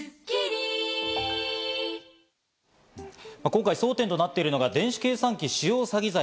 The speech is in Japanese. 今回、争点となっているのが電子計算機使用詐欺罪。